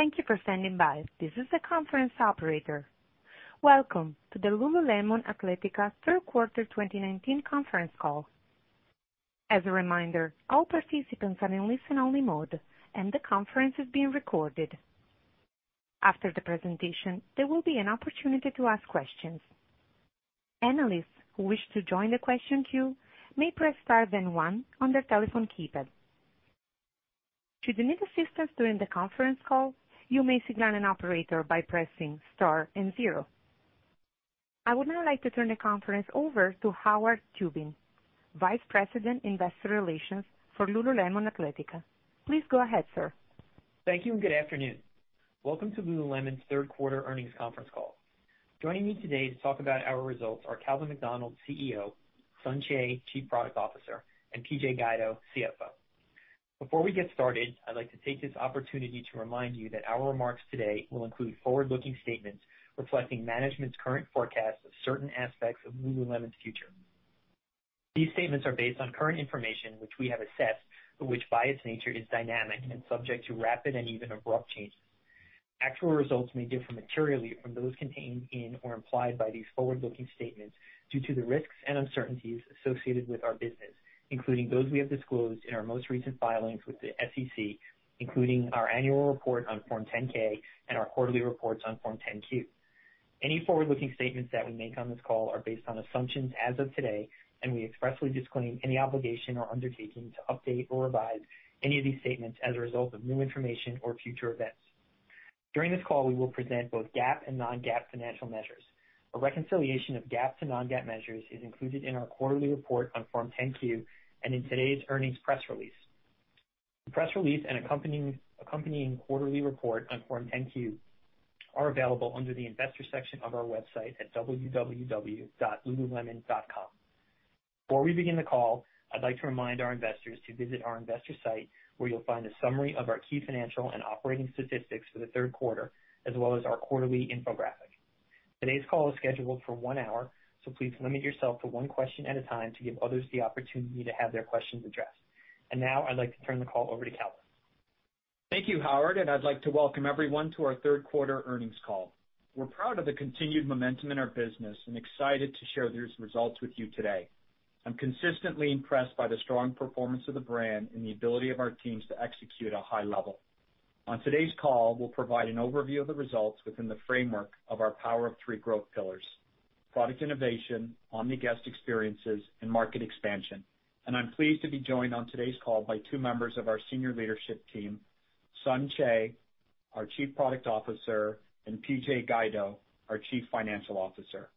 Thank you for standing by. This is the conference operator. Welcome to the Lululemon Athletica third quarter 2019 conference call. As a reminder, all participants are in listen-only mode, and the conference is being recorded. After the presentation, there will be an opportunity to ask questions. Analysts who wish to join the question queue may press star then one on their telephone keypad. Should you need assistance during the conference call, you may signal an operator by pressing star and zero. I would now like to turn the conference over to Howard Tubin, Vice President, Investor Relations for Lululemon Athletica. Please go ahead, sir. Thank you and good afternoon? Welcome to Lululemon's third quarter earnings conference call. Joining me today to talk about our results are Calvin McDonald, Chief Executive Officer, Sun Choe, Chief Product Officer, and PJ Guido, Chief Financial Officer. Before we get started, I'd like to take this opportunity to remind you that our remarks today will include forward-looking statements reflecting management's current forecast of certain aspects of Lululemon's future. These statements are based on current information, which we have assessed, but which by its nature is dynamic and subject to rapid and even abrupt changes. Actual results may differ materially from those contained in or implied by these forward-looking statements due to the risks and uncertainties associated with our business, including those we have disclosed in our most recent filings with the SEC, including our annual report on Form 10-K and our quarterly reports on Form 10-Q. Any forward-looking statements that we make on this call are based on assumptions as of today, and we expressly disclaim any obligation or undertaking to update or revise any of these statements as a result of new information or future events. During this call, we will present both GAAP and non-GAAP financial measures. A reconciliation of GAAP to non-GAAP measures is included in our quarterly report on Form 10-Q and in today's earnings press release. The press release and accompanying quarterly report on Form 10-Q are available under the investor section of our website at www.lululemon.com. Before we begin the call, I'd like to remind our investors to visit our investor site, where you'll find a summary of our key financial and operating statistics for the third quarter, as well as our quarterly infographic. Today's call is scheduled for one hour, so please limit yourself to one question at a time to give others the opportunity to have their questions addressed. Now I'd like to turn the call over to Calvin. Thank you, Howard. I'd like to welcome everyone to our third quarter earnings call. We're proud of the continued momentum in our business and excited to share these results with you today. I'm consistently impressed by the strong performance of the brand and the ability of our teams to execute at a high level. On today's call, we'll provide an overview of the results within the framework of our Power of Three growth pillars: product innovation, omni guest experiences, and market expansion. I'm pleased to be joined on today's call by two members of our senior leadership team, Sun Choe, our Chief Product Officer, and PJ Guido, our Chief Financial Officer.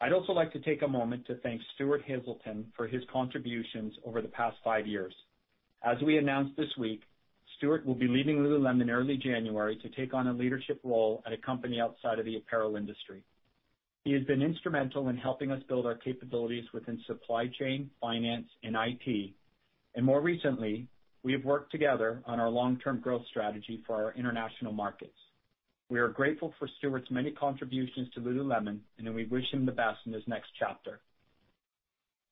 I'd also like to take a moment to thank Stuart Haselden for his contributions over the past five years. As we announced this week, Stuart will be leaving Lululemon early January to take on a leadership role at a company outside of the apparel industry. He has been instrumental in helping us build our capabilities within supply chain, finance, and IT. More recently, we have worked together on our long-term growth strategy for our international markets. We are grateful for Stuart's many contributions to Lululemon, and we wish him the best in his next chapter.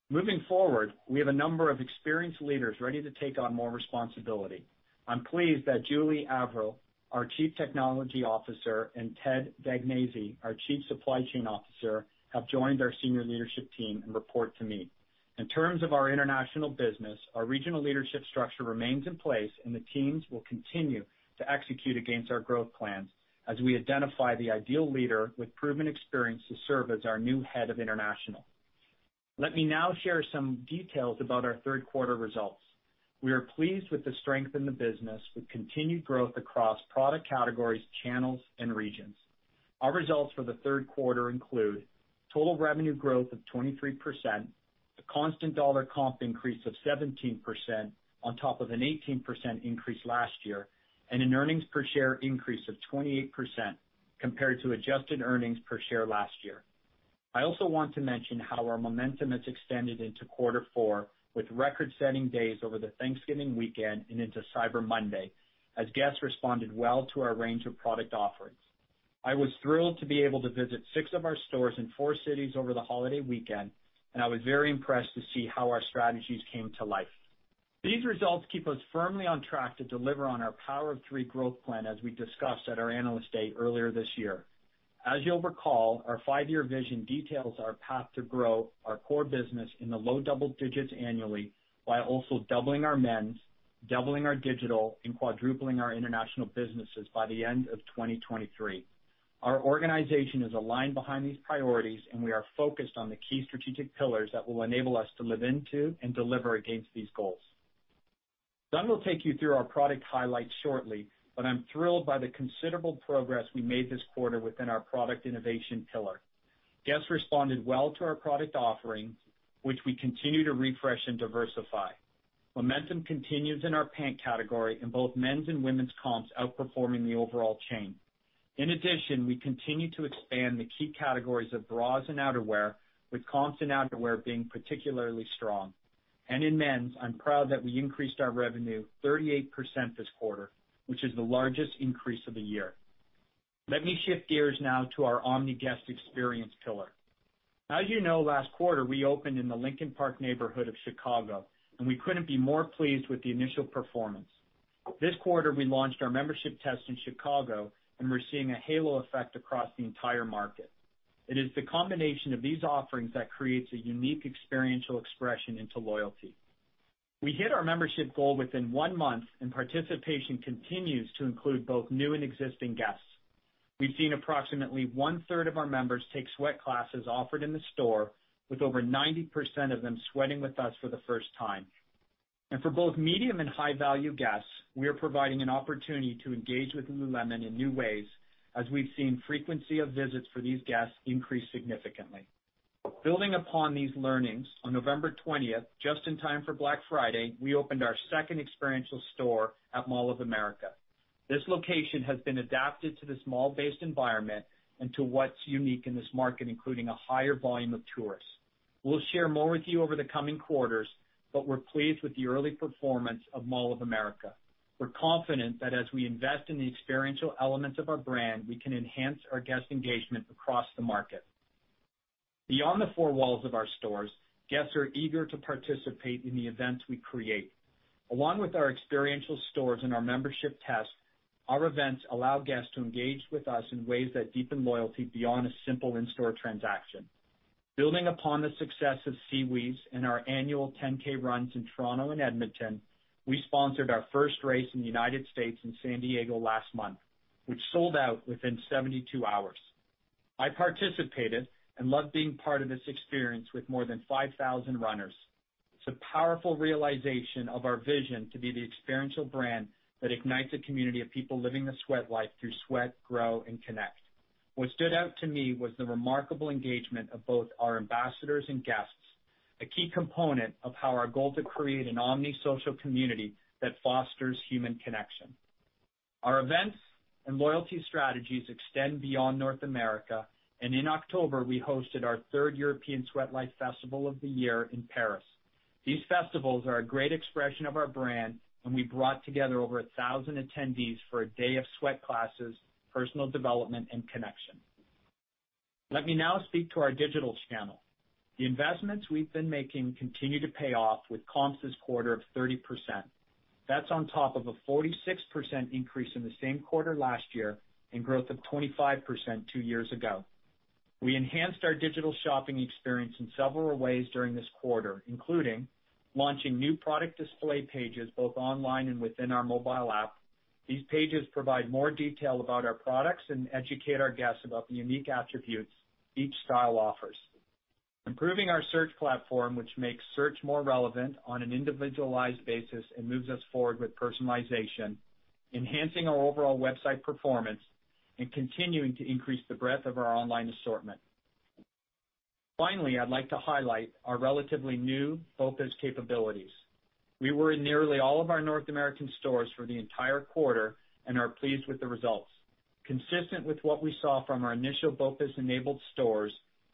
Moving forward, we have a number of experienced leaders ready to take on more responsibility. I'm pleased that Julie Averill, our Chief Technology Officer, and Ted Dagnese, our Chief Supply Chain Officer, have joined our senior leadership team and report to me. In terms of our international business, our regional leadership structure remains in place, and the teams will continue to execute against our growth plans as we identify the ideal leader with proven experience to serve as our new Head of International. Let me now share some details about our third quarter results. We are pleased with the strength in the business, with continued growth across product categories, channels, and regions. Our results for the third quarter include total revenue growth of 23%, a constant dollar comp increase of 17% on top of an 18% increase last year, and an earnings per share increase of 28% compared to adjusted earnings per share last year. I also want to mention how our momentum has extended into quarter four with record-setting days over the Thanksgiving weekend and into Cyber Monday, as guests responded well to our range of product offerings. I was thrilled to be able to visit six of our stores in four cities over the holiday weekend, and I was very impressed to see how our strategies came to life. These results keep us firmly on track to deliver on our Power of Three growth plan as we discussed at our Analyst Day earlier this year. As you'll recall, our five-year vision details our path to grow our core business in the low double digits annually while also doubling our men's, doubling our digital, and quadrupling our international businesses by the end of 2023. Our organization is aligned behind these priorities, and we are focused on the key strategic pillars that will enable us to live into and deliver against these goals. Sun will take you through our product highlights shortly, but I'm thrilled by the considerable progress we made this quarter within our product innovation pillar. Guests responded well to our product offerings, which we continue to refresh and diversify. Momentum continues in our pant category in both men's and women's comps outperforming the overall chain. In addition, we continue to expand the key categories of bras and outerwear, with comps and outerwear being particularly strong. In men's, I'm proud that I increased our revenue 38% this quarter, which is the largest increase of the year. Let me shift gears now to our omni-guest experience pillar. As you know, last quarter, we opened in the Lincoln Park neighborhood of Chicago, and we couldn't be more pleased with the initial performance. This quarter, we launched our membership test in Chicago, and we're seeing a halo effect across the entire market. It is the combination of these offerings that creates a unique experiential expression into loyalty. We hit our membership goal within one month, and participation continues to include both new and existing guests. We've seen approximately 1/3 of our members take sweat classes offered in the store, with over 90% of them sweating with us for the first time. For both medium and high-value guests, we are providing an opportunity to engage with Lululemon in new ways, as we've seen frequency of visits for these guests increase significantly. Building upon these learnings, on November 20, just in time for Black Friday, we opened our second experiential store at Mall of America. This location has been adapted to this mall-based environment and to what's unique in this market, including a higher volume of tourists. We'll share more with you over the coming quarters, but we're pleased with the early performance of Mall of America. We're confident that as we invest in the experiential elements of our brand, we can enhance our guest engagement across the market. Beyond the four walls of our stores, guests are eager to participate in the events we create. Along with our experiential stores and our membership test, our events allow guests to engage with us in ways that deepen loyalty beyond a simple in-store transaction. Building upon the success of SeaWheeze and our annual 10K runs in Toronto and Edmonton, we sponsored our first race in the U.S. in San Diego last month, which sold out within 72 hours. I participated and loved being part of this experience with more than 5,000 runners. It's a powerful realization of our vision to be the experiential brand that ignites a community of people living the Sweat Life through sweat, grow, and connect. What stood out to me was the remarkable engagement of both our ambassadors and guests, a key component of how our goal to create an omni-social community that fosters human connection. In October, we hosted our third European Sweatlife Festival of the year in Paris. These festivals are a great expression of our brand. We brought together over 1,000 attendees for a day of sweat classes, personal development, and connection. Let me now speak to our digital channel. The investments we've been making continue to pay off with comps this quarter of 30%. That's on top of a 46% increase in the same quarter last year and growth of 25% two years ago. We enhanced our digital shopping experience in several ways during this quarter, including launching new product display pages both online and within our mobile app. These pages provide more detail about our products and educate our guests about the unique attributes each style offers. Improving our search platform, which makes search more relevant on an individualized basis and moves us forward with personalization. Enhancing our overall website performance. Continuing to increase the breadth of our online assortment. Finally, I'd like to highlight our relatively new BOPIS capabilities. We were in nearly all of our North American stores for the entire quarter and are pleased with the results. Consistent with what we saw from our initial BOPIS-enabled stores,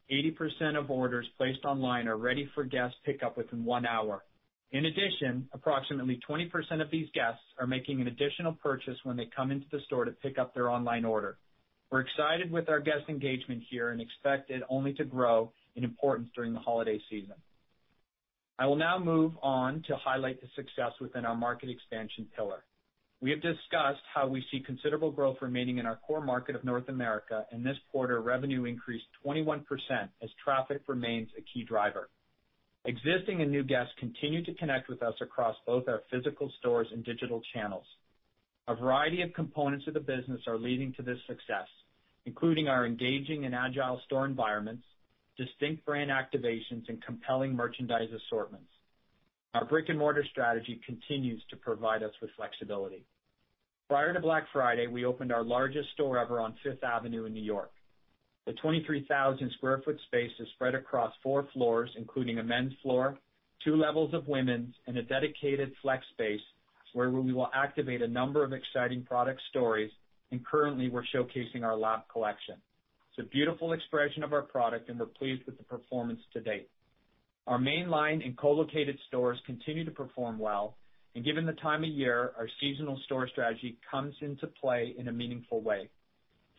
80% of orders placed online are ready for guest pickup within one hour. In addition, approximately 20% of these guests are making an additional purchase when they come into the store to pick up their online order. We're excited with our guest engagement here and expect it only to grow in importance during the holiday season. I will now move on to highlight the success within our market expansion pillar. We have discussed how we see considerable growth remaining in our core market of North America. In this quarter, revenue increased 21% as traffic remains a key driver. Existing and new guests continue to connect with us across both our physical stores and digital channels. A variety of components of the business are leading to this success, including our engaging and agile store environments, distinct brand activations, and compelling merchandise assortments. Our brick-and-mortar strategy continues to provide us with flexibility. Prior to Black Friday, we opened our largest store ever on Fifth Avenue in New York. The 23,000 sq ft space is spread across four floors, including a men's floor, two levels of women's, and a dedicated flex space where we will activate a number of exciting product stories, and currently, we're showcasing our Lab collection. It's a beautiful expression of our product, and we're pleased with the performance to date. Our main line and co-located stores continue to perform well, and given the time of year, our seasonal store strategy comes into play in a meaningful way.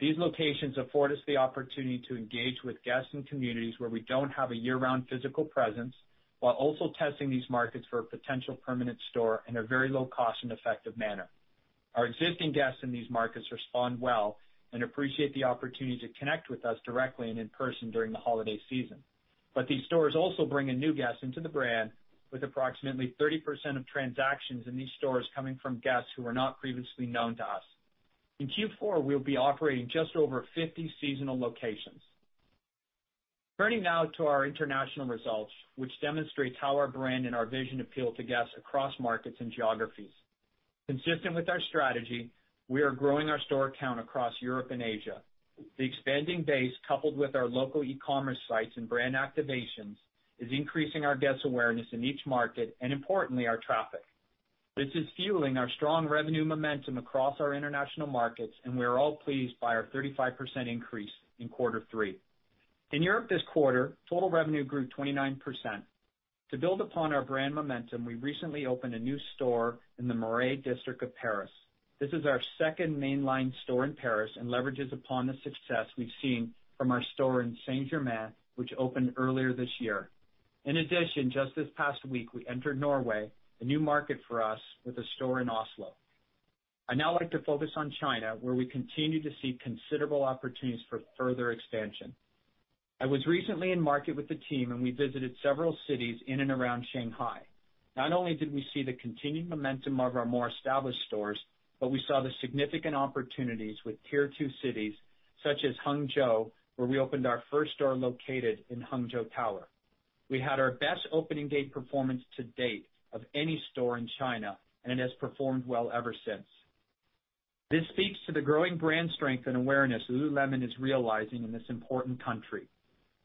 These locations afford us the opportunity to engage with guests and communities where we don't have a year-round physical presence, while also testing these markets for a potential permanent store in a very low cost and effective manner. Our existing guests in these markets respond well and appreciate the opportunity to connect with us directly and in person during the holiday season. These stores also bring in new guests into the brand, with approximately 30% of transactions in these stores coming from guests who were not previously known to us. In Q4, we'll be operating just over 50 seasonal locations. Turning now to our international results, which demonstrates how our brand and our vision appeal to guests across markets and geographies. Consistent with our strategy, we are growing our store count across Europe and Asia. The expanding base, coupled with our local e-commerce sites and brand activations, is increasing our guests' awareness in each market and importantly, our traffic. This is fueling our strong revenue momentum across our international markets, and we are all pleased by our 35% increase in quarter three. In Europe this quarter, total revenue grew 29%. To build upon our brand momentum, we recently opened a new store in the Marais district of Paris. This is our second mainline store in Paris and leverages upon the success we've seen from our store in Saint Germain, which opened earlier this year. In addition, just this past week, we entered Norway, a new market for us with a store in Oslo. I'd now like to focus on China, where we continue to see considerable opportunities for further expansion. I was recently in market with the team, and we visited several cities in and around Shanghai. Not only did we see the continued momentum of our more established stores, but we saw the significant opportunities with tier two cities such as Hangzhou, where we opened our first store located in Hangzhou Tower. We had our best opening day performance to date of any store in China, and it has performed well ever since. This speaks to the growing brand strength and awareness Lululemon is realizing in this important country.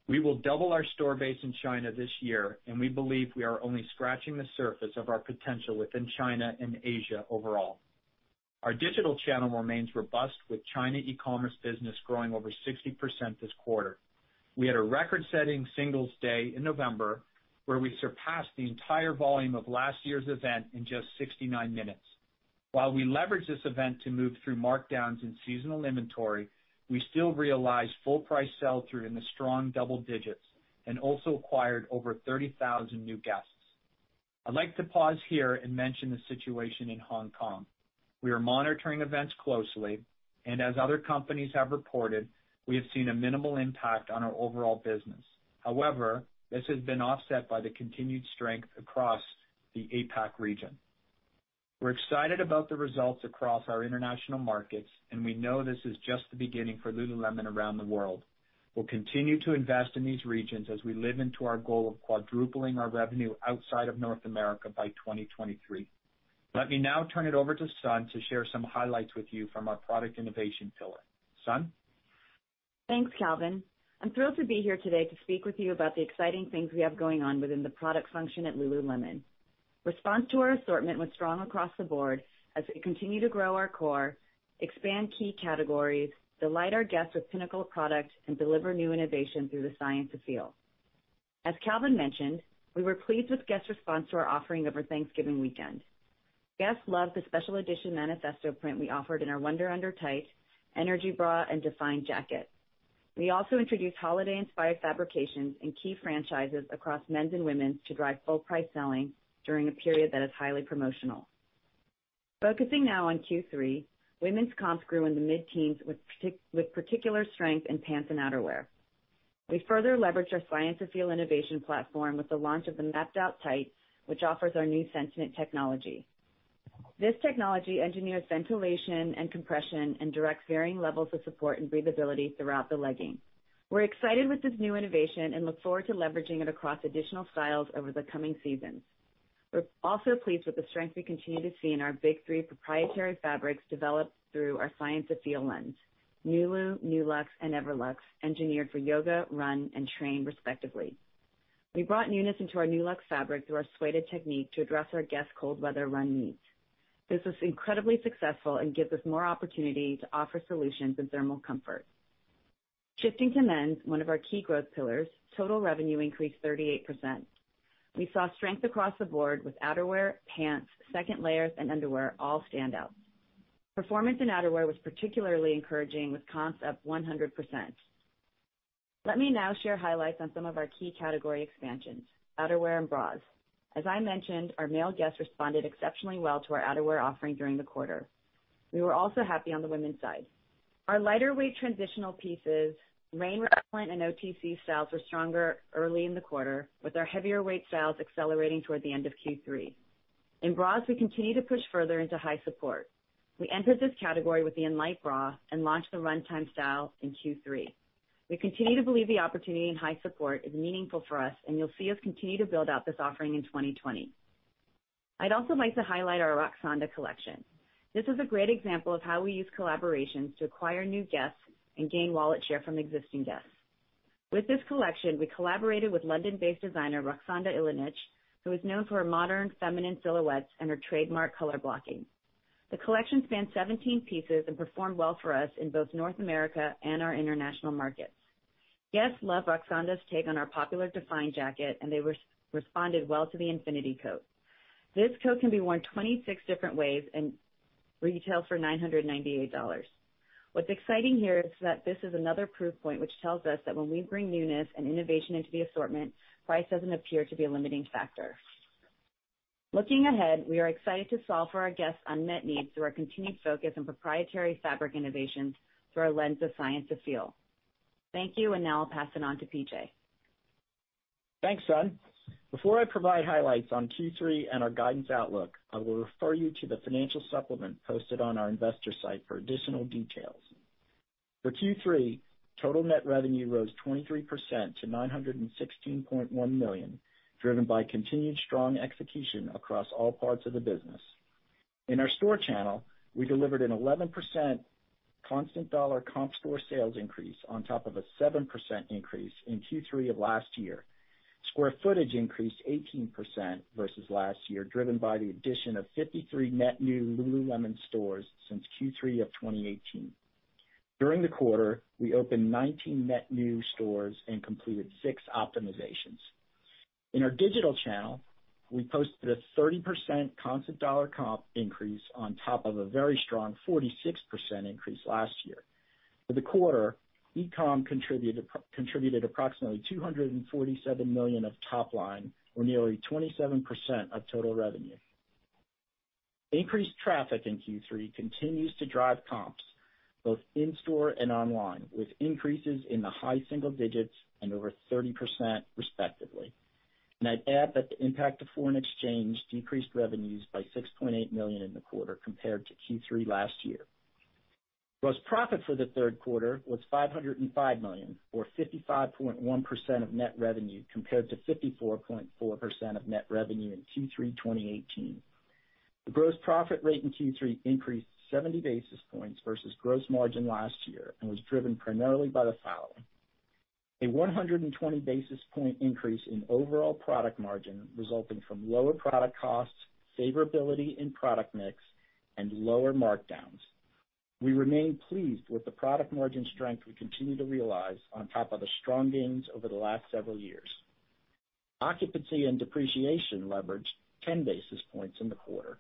We will double our store base in China this year, and we believe we are only scratching the surface of our potential within China and Asia overall. Our digital channel remains robust with China e-commerce business growing over 60% this quarter. We had a record-setting Singles' Day in November, where we surpassed the entire volume of last year's event in just 69 minutes. While we leveraged this event to move through markdowns in seasonal inventory, we still realized full price sell-through in the strong double digits and also acquired over 30,000 new guests. I'd like to pause here and mention the situation in Hong Kong. We are monitoring events closely, and as other companies have reported, we have seen a minimal impact on our overall business. However, this has been offset by the continued strength across the APAC region. We're excited about the results across our international markets, and we know this is just the beginning for Lululemon around the world. We'll continue to invest in these regions as we live into our goal of quadrupling our revenue outside of North America by 2023. Let me now turn it over to Sun to share some highlights with you from our product innovation pillar. Sun? Thanks, Calvin. I'm thrilled to be here today to speak with you about the exciting things we have going on within the product function at Lululemon. Response to our assortment was strong across the board as we continue to grow our core, expand key categories, delight our guests with pinnacle product, and deliver new innovation through the Science of Feel. As Calvin mentioned, we were pleased with guest response to our offering over Thanksgiving weekend. Guests loved the special edition manifesto print we offered in our Wunder Under tight, Energy Bra, and Define Jacket. We also introduced holiday-inspired fabrications in key franchises across men's and women's to drive full price selling during a period that is highly promotional. Focusing now on Q3, women's comps grew in the mid-teens with particular strength in pants and outerwear. We further leveraged our Science of Feel innovation platform with the launch of the Mapped Out tight, which offers our new SenseKnit technology. This technology engineers ventilation and compression and directs varying levels of support and breathability throughout the legging. We're excited with this new innovation and look forward to leveraging it across additional styles over the coming seasons. We're also pleased with the strength we continue to see in our big three proprietary fabrics developed through our Science of Feel lens. Nulu, Luxtreme, and Everlux, engineered for yoga, run, and train respectively. We brought newness into our Luxtreme fabric through our sueded technique to address our guests' cold weather run needs. This was incredibly successful and gives us more opportunity to offer solutions in thermal comfort. Shifting to men's, one of our key growth pillars, total revenue increased 38%. We saw strength across the board with outerwear, pants, second layers, and underwear all stand out. Performance in outerwear was particularly encouraging, with comps up 100%. Let me now share highlights on some of our key category expansions, outerwear and bras. As I mentioned, our male guests responded exceptionally well to our outerwear offering during the quarter. We were also happy on the women's side. Our lighter weight transitional pieces, rain repellent, and OTC styles were stronger early in the quarter, with our heavier weight styles accelerating toward the end of Q3. In bras, we continue to push further into high support. We entered this category with the Enlite Bra and launched the Run Times style in Q3. We continue to believe the opportunity in high support is meaningful for us, and you'll see us continue to build out this offering in 2020. I'd also like to highlight our Roksanda collection. This is a great example of how we use collaborations to acquire new guests and gain wallet share from existing guests. With this collection, we collaborated with London-based designer, Roksanda Ilincic, who is known for her modern feminine silhouettes and her trademark color blocking. The collection spanned 17 pieces and performed well for us in both North America and our international markets. Guests love Roksanda's take on our popular Define Jacket, and they responded well to the Infinity coat. This coat can be worn 26 different ways and retails for $998. What's exciting here is that this is another proof point which tells us that when we bring newness and innovation into the assortment, price doesn't appear to be a limiting factor. Looking ahead, we are excited to solve for our guests' unmet needs through our continued focus on proprietary fabric innovations through our lens of Science of Feel. Thank you. Now I'll pass it on to PJ. Thanks, Sun. Before I provide highlights on Q3 and our guidance outlook, I will refer you to the financial supplement posted on our investor site for additional details. For Q3, total net revenue rose 23% to $916.1 million, driven by continued strong execution across all parts of the business. In our store channel, we delivered an 11% constant dollar comp store sales increase on top of a 7% increase in Q3 of last year. Square footage increased 18% versus last year, driven by the addition of 53 net new Lululemon stores since Q3 of 2018. During the quarter, we opened 19 net new stores and completed six optimizations. In our digital channel, we posted a 30% constant dollar comp increase on top of a very strong 46% increase last year. For the quarter, e-com contributed approximately $247 million of top line, or nearly 27% of total revenue. Increased traffic in Q3 continues to drive comps both in-store and online, with increases in the high single digits and over 30%, respectively. I'd add that the impact of foreign exchange decreased revenues by $6.8 million in the quarter compared to Q3 last year. Gross profit for the third quarter was $505 million, or 55.1% of net revenue, compared to 54.4% of net revenue in Q3 2018. The gross profit rate in Q3 increased 70 basis points versus gross margin last year and was driven primarily by the following. A 120 basis point increase in overall product margin resulting from lower product costs, favorability in product mix, and lower markdowns. We remain pleased with the product margin strength we continue to realize on top of the strong gains over the last several years. Occupancy and depreciation leverage, 10 basis points in the quarter.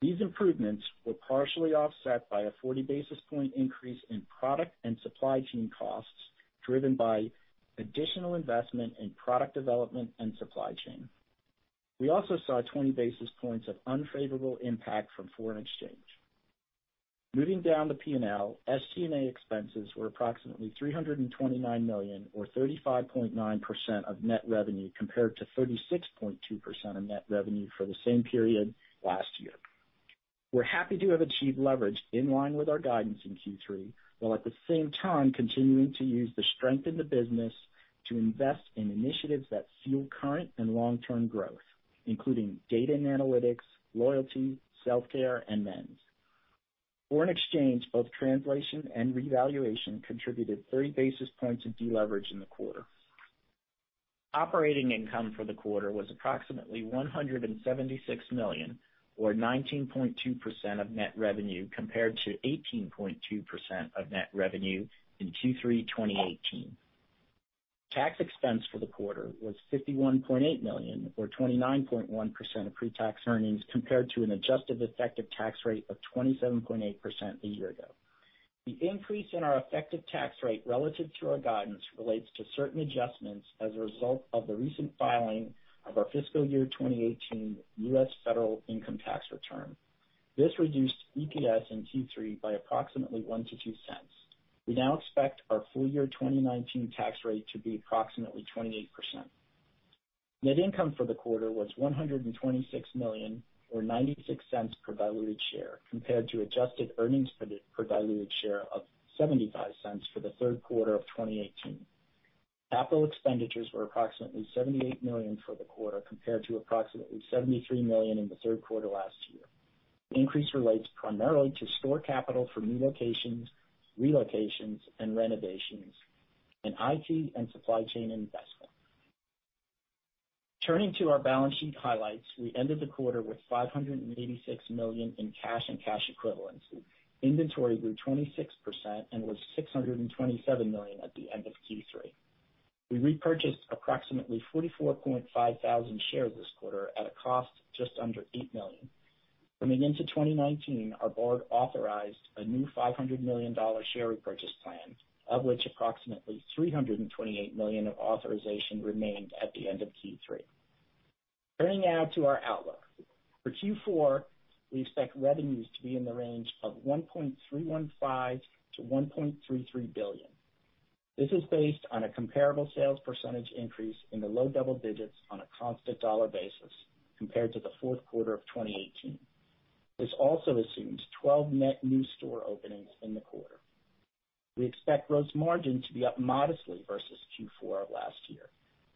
These improvements were partially offset by a 40 basis point increase in product and supply chain costs, driven by additional investment in product development and supply chain. We also saw 20 basis points of unfavorable impact from foreign exchange. Moving down the P&L, SG&A expenses were approximately $329 million, or 35.9% of net revenue, compared to 36.2% of net revenue for the same period last year. We're happy to have achieved leverage in line with our guidance in Q3, while at the same time continuing to use the strength in the business to invest in initiatives that fuel current and long-term growth, including data and analytics, loyalty, self-care, and men's. Foreign exchange, both translation and revaluation, contributed 30 basis points of deleverage in the quarter. Operating income for the quarter was approximately $176 million, or 19.2% of net revenue, compared to 18.2% of net revenue in Q3 2018. Tax expense for the quarter was $51.8 million, or 29.1% of pre-tax earnings, compared to an adjusted effective tax rate of 27.8% a year ago. The increase in our effective tax rate relative to our guidance relates to certain adjustments as a result of the recent filing of our fiscal year 2018 U.S. federal income tax return. This reduced EPS in Q3 by approximately $0.01-$0.02. We now expect our full year 2019 tax rate to be approximately 28%. Net income for the quarter was $126 million, or $0.96 per diluted share, compared to adjusted earnings per diluted share of $0.75 for the third quarter of 2018. Capital expenditures were approximately $78 million for the quarter, compared to approximately $73 million in the third quarter last year. The increase relates primarily to store capital for new locations, relocations, and renovations, and IT and supply chain investment. Turning to our balance sheet highlights. We ended the quarter with $586 million in cash and cash equivalents. Inventory grew 26% and was $627 million at the end of Q3. We repurchased approximately 44,500 shares this quarter at a cost just under $8 million. Coming into 2019, our board authorized a new $500 million share repurchase plan, of which approximately $328 million of authorization remained at the end of Q3. Turning now to our outlook. For Q4, we expect revenues to be in the range of $1.315 billion-$1.33 billion. This is based on a comparable sales percentage increase in the low double digits on a constant dollar basis compared to the fourth quarter of 2018. This also assumes 12 net new store openings in the quarter. We expect gross margin to be up modestly versus Q4 of last year.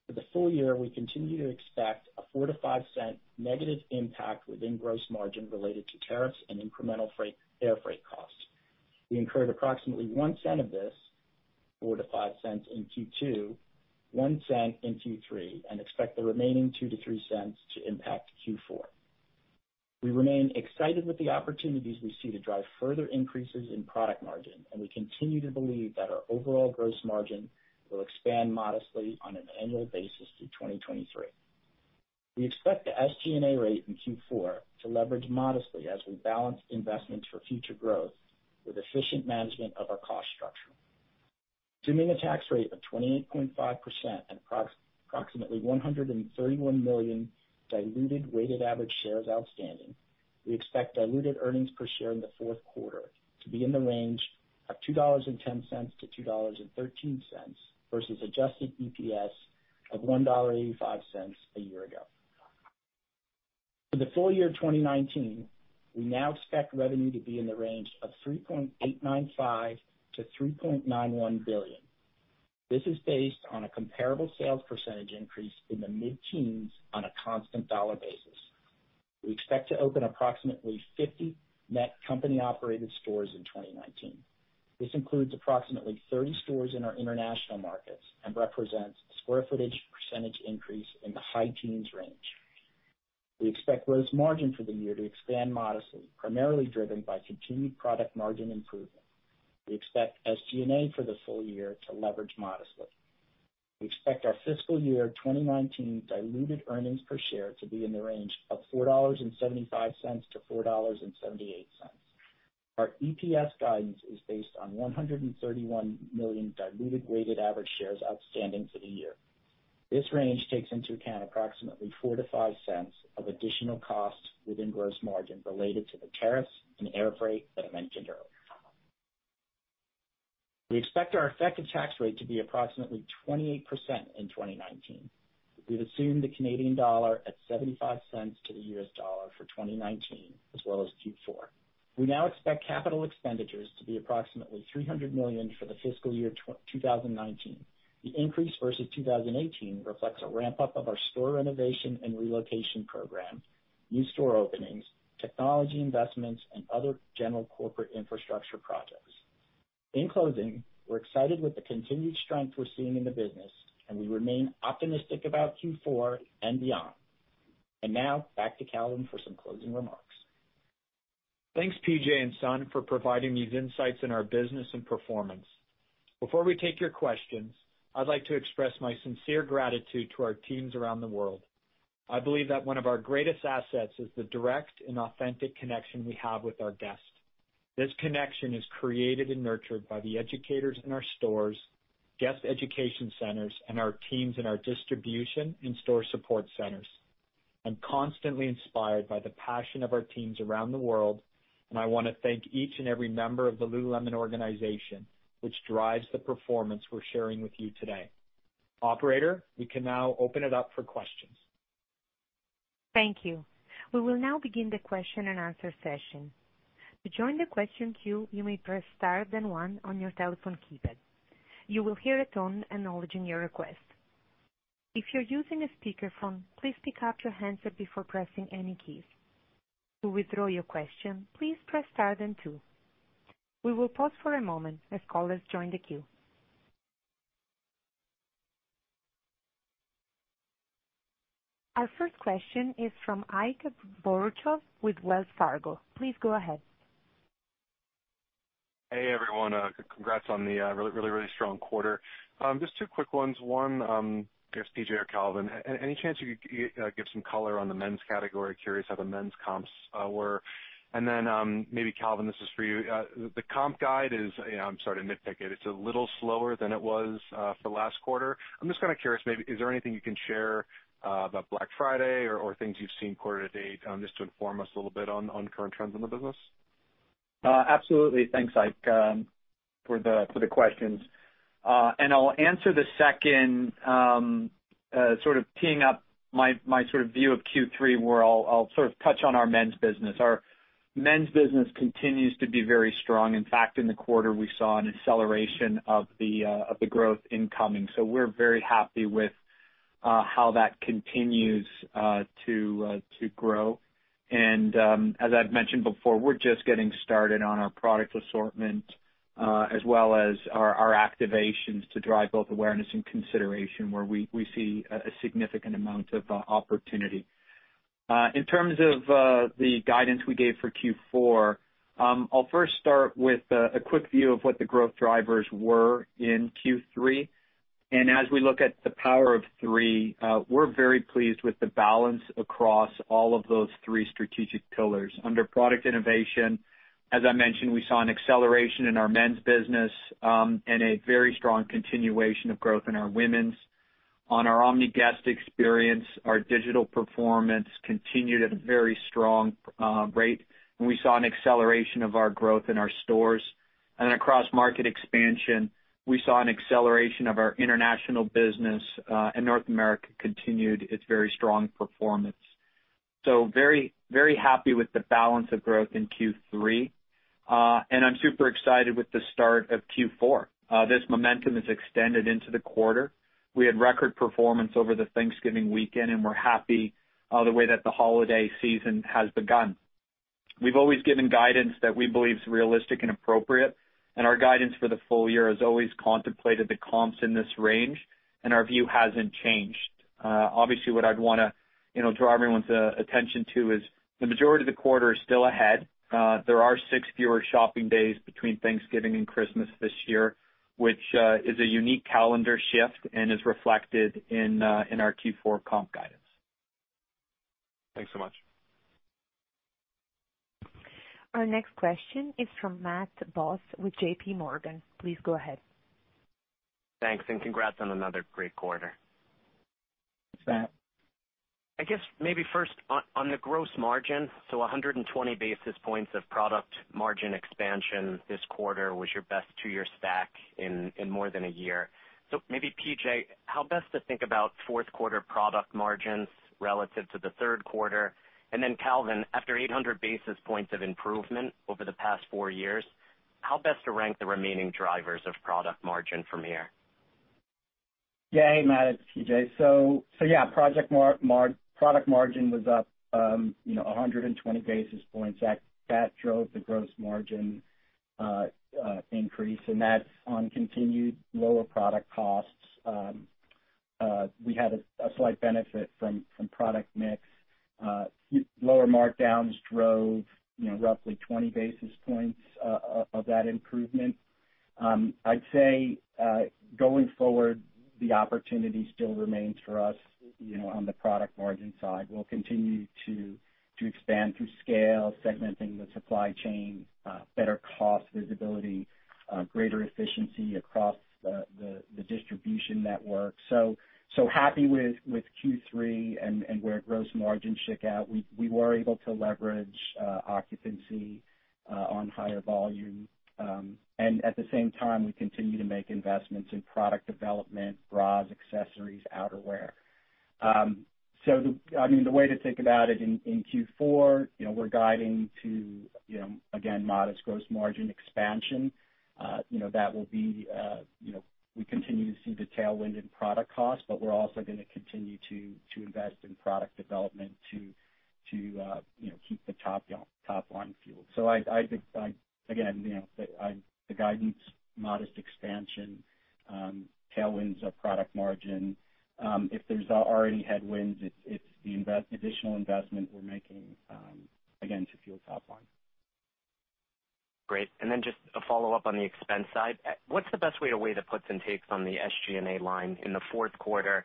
For the full year, we continue to expect a $0.04-$0.05 negative impact within gross margin related to tariffs and incremental air freight costs. We incurred approximately $0.01 of this, $0.04-$0.05 in Q2, $0.01 in Q3, and expect the remaining $0.02-$0.03 to impact Q4. We remain excited with the opportunities we see to drive further increases in product margin, and we continue to believe that our overall gross margin will expand modestly on an annual basis through 2023. We expect the SG&A rate in Q4 to leverage modestly as we balance investments for future growth with efficient management of our cost structure. Assuming a tax rate of 28.5% at approximately 131 million diluted weighted average shares outstanding, we expect diluted earnings per share in the fourth quarter to be in the range of $2.10-$2.13 versus adjusted EPS of $1.85 a year ago. For the full year 2019, we now expect revenue to be in the range of $3.895 billion-$3.91 billion. This is based on a comparable sales percentage increase in the mid-teens on a constant dollar basis. We expect to open approximately 50 net company-operated stores in 2019. This includes approximately 30 stores in our international markets and represents square footage percentage increase in the high teens range. We expect gross margin for the year to expand modestly, primarily driven by continued product margin improvement. We expect SG&A for the full year to leverage modestly. We expect our fiscal year 2019 diluted earnings per share to be in the range of $4.75-$4.78. Our EPS guidance is based on 131 million diluted weighted average shares outstanding for the year. This range takes into account approximately $0.04-$0.05 of additional costs within gross margin related to the tariffs and airfreight that I mentioned earlier. We expect our effective tax rate to be approximately 28% in 2019. We've assumed the Canadian dollar at $0.75 to the U.S. dollar for 2019, as well as Q4. We now expect capital expenditures to be approximately $300 million for the fiscal year 2019. The increase versus 2018 reflects a ramp-up of our store renovation and relocation program, new store openings, technology investments, and other general corporate infrastructure projects. In closing, we're excited with the continued strength we're seeing in the business, and we remain optimistic about Q4 and beyond. Now, back to Calvin for some closing remarks. Thanks, PJ and Sun, for providing these insights in our business and performance. Before we take your questions, I'd like to express my sincere gratitude to our teams around the world. I believe that one of our greatest assets is the direct and authentic connection we have with our guests. This connection is created and nurtured by the educators in our stores, guest education centers, and our teams in our distribution and store support centers. I'm constantly inspired by the passion of our teams around the world, and I want to thank each and every member of the Lululemon organization, which drives the performance we're sharing with you today. Operator, we can now open it up for questions. Thank you. We will now begin the question-and-answer session. To join the question queue, you may press star then one on your telephone keypad. You will hear a tone acknowledging your request. If you're using a speakerphone, please pick up your handset before pressing any keys. To withdraw your question, please press star then two. We will pause for a moment as callers join the queue. Our first question is from Ike Boruchow with Wells Fargo, please go ahead. Hey everyone? Congrats on the really strong quarter. Just two quick ones. One, I guess PJ or Calvin, any chance you could give some color on the men's category? Curious how the men's comps were. Maybe Calvin, this is for you. The comp guide is, I'm sorry to nitpick it's a little slower than it was for the last quarter. I'm just curious, maybe is there anything you can share about Black Friday or things you've seen quarter to date, just to inform us a little bit on current trends in the business? Absolutely. Thanks, Ike for the questions. I'll answer the second, teeing up my view of Q3, where I'll touch on our men's business. Our men's business continues to be very strong. In fact, in the quarter, we saw an acceleration of the growth in coming. We're very happy with how that continues to grow. As I've mentioned before, we're just getting started on our product assortment, as well as our activations to drive both awareness and consideration, where we see a significant amount of opportunity. In terms of the guidance we gave for Q4, I'll first start with a quick view of what the growth drivers were in Q3. As we look at the Power of Three, we're very pleased with the balance across all of those three strategic pillars. Under product innovation, as I mentioned, we saw an acceleration in our men's business, and a very strong continuation of growth in our women's. On our omni-guest experience, our digital performance continued at a very strong rate, and we saw an acceleration of our growth in our stores. Across market expansion, we saw an acceleration of our international business, and North America continued its very strong performance. Very happy with the balance of growth in Q3. I'm super excited with the start of Q4. This momentum is extended into the quarter. We had record performance over the Thanksgiving weekend, and we're happy the way that the holiday season has begun. We've always given guidance that we believe is realistic and appropriate, and our guidance for the full year has always contemplated the comps in this range, and our view hasn't changed. What I'd want to draw everyone's attention to is the majority of the quarter is still ahead. There are six fewer shopping days between Thanksgiving and Christmas this year, which is a unique calendar shift and is reflected in our Q4 comp guidance. Thanks so much. Our next question is from Matt Boss with JPMorgan, please go ahead. Thanks, and congrats on another great quarter. Thanks, Matt. I guess maybe first on the gross margin. 120 basis points of product margin expansion this quarter was your best two-year stack in more than a year. Maybe PJ, how best to think about fourth quarter product margins relative to the third quarter? Then Calvin, after 800 basis points of improvement over the past four years, how best to rank the remaining drivers of product margin from here? Matt, it's PJ. Product margin was up 120 basis points. That drove the gross margin increase, that's on continued lower product costs. We had a slight benefit from product mix. Lower markdowns drove roughly 20 basis points of that improvement. I'd say, going forward, the opportunity still remains for us on the product margin side. We'll continue to expand through scale, segmenting the supply chain, better cost visibility, greater efficiency across the distribution network. Happy with Q3 and where gross margins shook out. We were able to leverage occupancy on higher volume. At the same time, we continue to make investments in product development, bras, accessories, outerwear. The way to think about it in Q4, we're guiding to, again, modest gross margin expansion. We continue to see the tailwind in product costs. We're also going to continue to invest in product development to keep the top line fueled. Again, the guidance, modest expansion, tailwinds of product margin. If there's already headwinds, it's the additional investment we're making, again, to fuel top line. Great. Just a follow-up on the expense side, what's the best way to weigh the puts and takes on the SG&A line in the fourth quarter?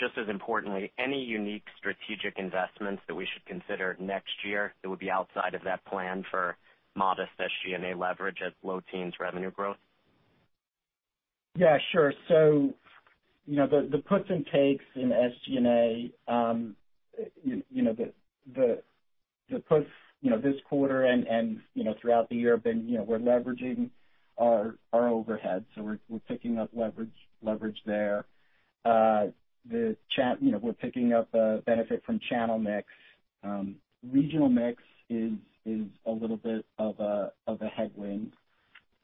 Just as importantly, any unique strategic investments that we should consider next year that would be outside of that plan for modest SG&A leverage at low teens revenue growth? Sure. The puts and takes in SG&A, the puts this quarter and throughout the year have been, we're leveraging our overheads, so we're picking up leverage there. We're picking up a benefit from channel mix. Regional mix is a little bit of a headwind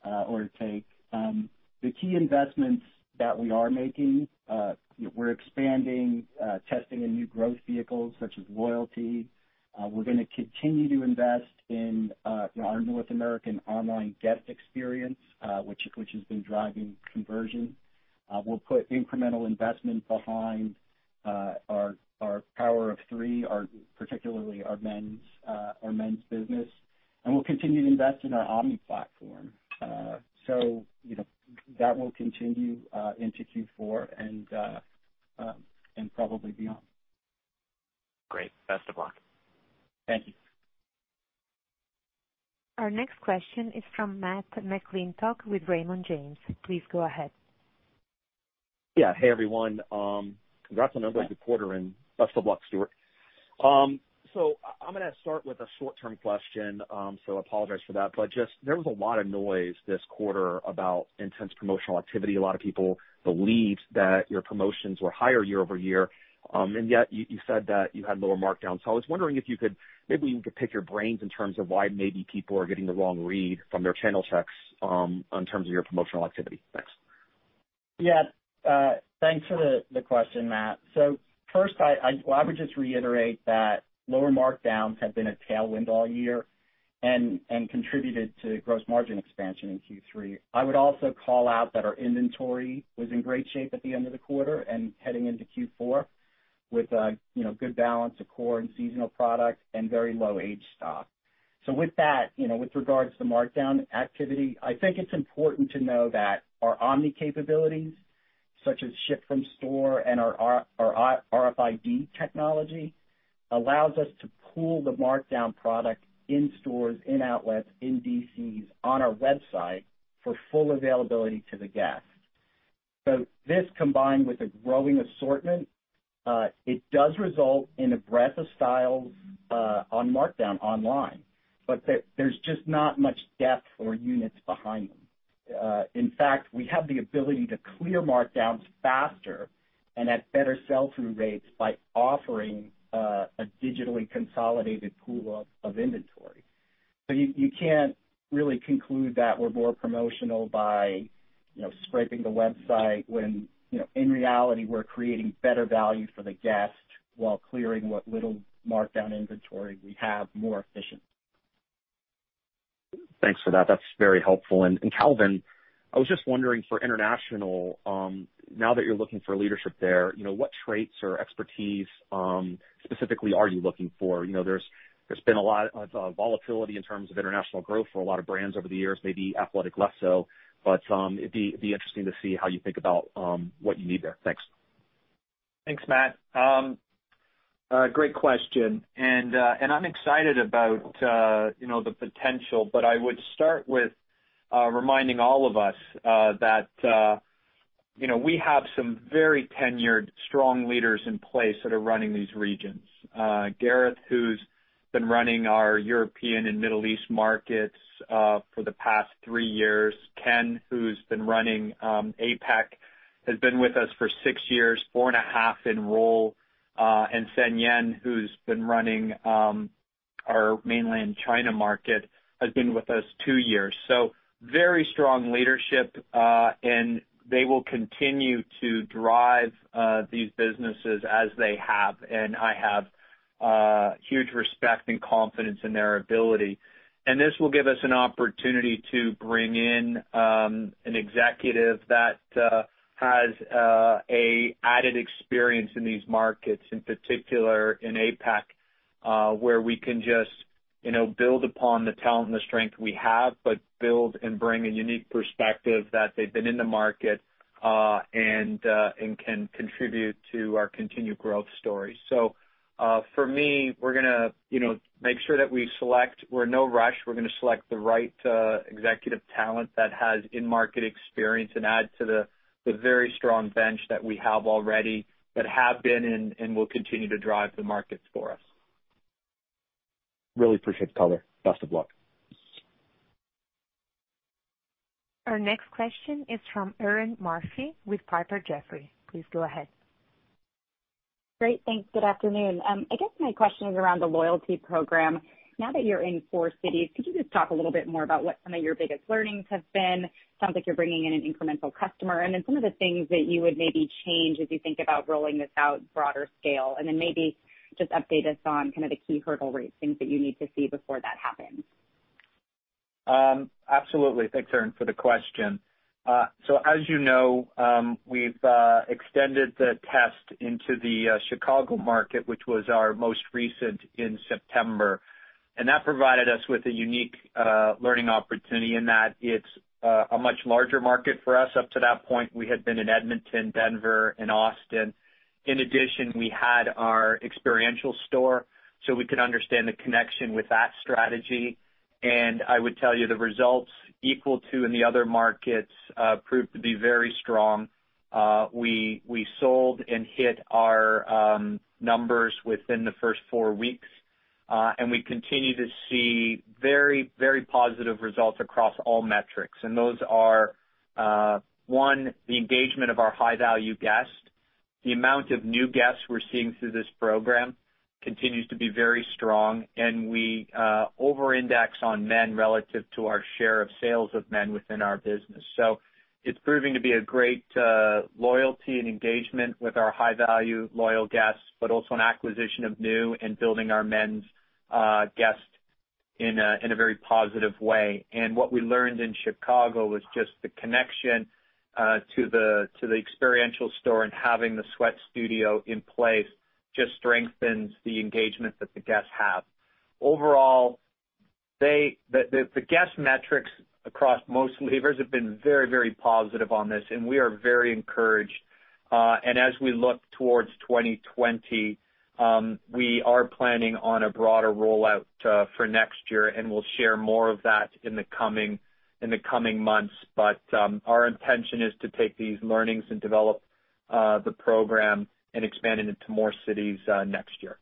or a take. The key investments that we are making, we're expanding testing in new growth vehicles such as loyalty. We're going to continue to invest in our North American online guest experience, which has been driving conversion. We'll put incremental investment behind our Power of Three, particularly our men's business, and we'll continue to invest in our omni platform. That will continue into Q4 and probably beyond. Great. Best of luck. Thank you. Our next question is from Matt McClintock with Raymond James, please go ahead. Yeah. Hey, everyone. Congrats on another good quarter, and best of luck, Stuart. I'm going to start with a short-term question, so I apologize for that. Just, there was a lot of noise this quarter about intense promotional activity. A lot of people believed that your promotions were higher year-over-year, and yet you said that you had lower markdowns. I was wondering if maybe we could pick your brains in terms of why maybe people are getting the wrong read from their channel checks in terms of your promotional activity. Thanks. Thanks for the question, Matt. First, I would just reiterate that lower markdowns have been a tailwind all year and contributed to gross margin expansion in Q3. I would also call out that our inventory was in great shape at the end of the quarter and heading into Q4 with a good balance of core and seasonal product and very low age stock. With that, with regards to markdown activity, I think it's important to know that our omni capabilities, such as ship from store and our RFID technology, allows us to pool the markdown product in stores, in outlets, in DCs, on our website for full availability to the guest. This, combined with a growing assortment, it does result in a breadth of styles on markdown online, but there's just not much depth or units behind them. In fact, we have the ability to clear markdowns faster and at better sell-through rates by offering a digitally consolidated pool of inventory. You can't really conclude that we're more promotional by scraping the website when, in reality, we're creating better value for the guest while clearing what little markdown inventory we have more efficiently. Thanks for that. That's very helpful. Calvin, I was just wondering for international, now that you're looking for leadership there, what traits or expertise, specifically, are you looking for? There's been a lot of volatility in terms of international growth for a lot of brands over the years, maybe athletic less so. It'd be interesting to see how you think about what you need there. Thanks. Thanks, Matt. Great question. I'm excited about the potential, but I would start with reminding all of us that we have some very tenured, strong leaders in place that are running these regions. Gareth, who's been running our European and Middle East markets for the past three years, Ken, who's been running APAC, has been with us for six years, four and a half in role, and San Yan, who's been running our mainland China market has been with us two years. Very strong leadership, and they will continue to drive these businesses as they have. I have huge respect and confidence in their ability. This will give us an opportunity to bring in an Executive that has added experience in these markets, in particular in APAC, where we can just build upon the talent and the strength we have, but build and bring a unique perspective that they've been in the market, and can contribute to our continued growth story. For me, we're going to make sure that we select. We're in no rush. We're going to select the right Executive talent that has in-market experience and add to the very strong bench that we have already that have been and will continue to drive the markets for us. Really appreciate the color. Best of luck. Our next question is from Erinn Murphy with Piper Jaffray, please go ahead. Great. Thanks. Good afternoon? I guess my question is around the loyalty program. Now that you're in four cities, could you just talk a little bit more about what some of your biggest learnings have been? Sounds like you're bringing in an incremental customer. Some of the things that you would maybe change as you think about rolling this out broader scale. Maybe just update us on kind of the key hurdle rate, things that you need to see before that happens. Absolutely. Thanks, Erinn, for the question. As you know, we've extended the test into the Chicago market, which was our most recent in September. That provided us with a unique learning opportunity in that it's a much larger market for us. Up to that point, we had been in Edmonton, Denver, and Austin. In addition, we had our experiential store, so we could understand the connection with that strategy. I would tell you the results equal to in the other markets proved to be very strong. We sold and hit our numbers within the first four weeks. We continue to see very positive results across all metrics. Those are, one, the engagement of our high-value guests. The amount of new guests we're seeing through this program continues to be very strong, and we over-index on men relative to our share of sales of men within our business. It's proving to be a great loyalty and engagement with our high-value loyal guests, but also an acquisition of new and building our men's guests in a very positive way. What we learned in Chicago was just the connection to the experiential store and having the sweat studio in place just strengthens the engagement that the guests have. Overall, the guest metrics across most levers have been very positive on this, and we are very encouraged. As we look towards 2020, we are planning on a broader rollout for next year, and we'll share more of that in the coming months. Our intention is to take these learnings and develop the program and expand it into more cities next year.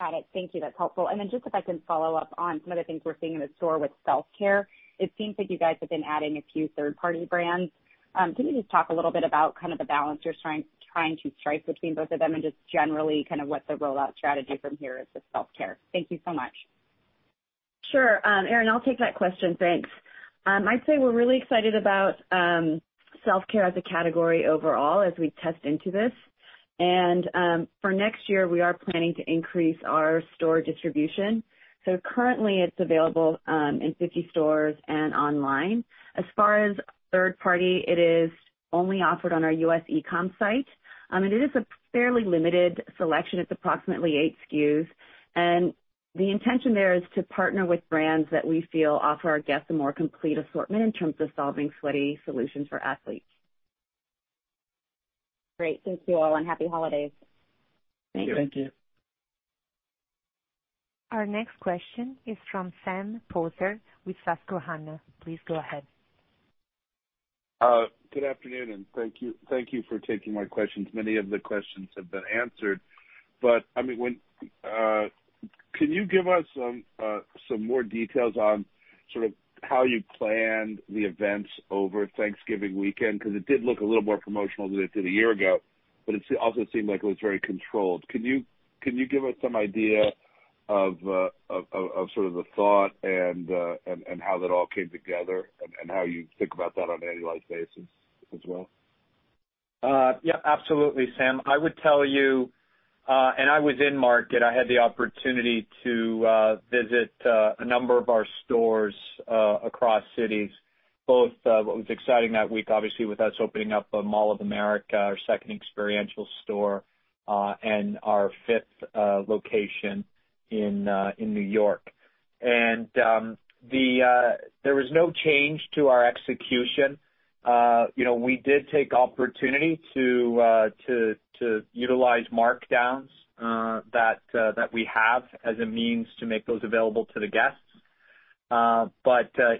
Got it. Thank you. That's helpful. Then just if I can follow up on some of the things we're seeing in the store with self-care. It seems like you guys have been adding a few third-party brands. Can you just talk a little bit about the balance you're trying to strike between both of them and just generally what the rollout strategy from here is with self-care? Thank you so much. Sure. Erinn, I'll take that question, thanks. I'd say we're really excited about self-care as a category overall as we test into this. For next year, we are planning to increase our store distribution. So currently it's available in 50 stores and online. As far as third party, it is only offered on our U.S. e-com site. It is a fairly limited selection. It's approximately eight SKUs. The intention there is to partner with brands that we feel offer our guests a more complete assortment in terms of solving sweaty solutions for athletes. Great. Thank you all, and happy holidays. Thank you. Thank you. Our next question is from Sam Poser with Susquehanna, please go ahead. Good afternoon, and thank you for taking my questions. Many of the questions have been answered, but can you give us some more details on how you planned the events over Thanksgiving weekend? It did look a little more promotional than it did a year ago, but it also seemed like it was very controlled. Can you give us some good idea of the thought and how that all came together and how you think about that on an annualized basis as well? Yeah, absolutely, Sam. I would tell you, I was in market. I had the opportunity to visit a number of our stores across cities, both what was exciting that week, obviously, with us opening up a Mall of America, our second experiential store, and our fifth location in New York. There was no change to our execution. We did take opportunity to utilize markdowns that we have as a means to make those available to the guests.